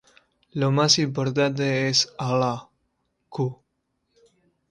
La más importante es "Al-lah", q.